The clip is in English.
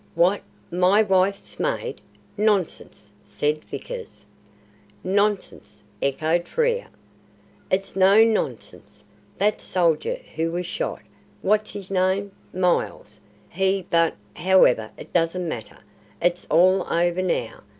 "What! my wife's maid? Nonsense!" said Vickers. "Nonsense!" echoed Frere. "It's no nonsense. That soldier who was shot, what's his name? Miles, he but, however, it doesn't matter. It's all over now."